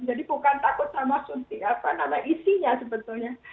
jadi bukan takut sama isinya sebetulnya